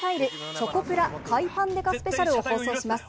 チョコプラ海パン刑事スペシャルを放送します。